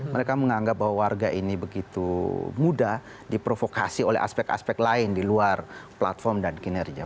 mereka menganggap bahwa warga ini begitu mudah diprovokasi oleh aspek aspek lain di luar platform dan kinerja